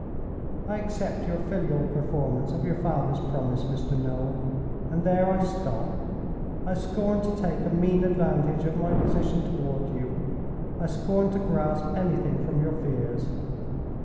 I accept your filial performance of your father's promise, Mr. Noel—and there I stop. I scorn to take a mean advantage of my position toward you; I scorn to grasp anything from your fears.